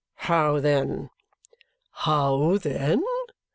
How then?" "How then?"